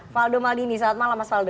valdo maldini selamat malam mas faldo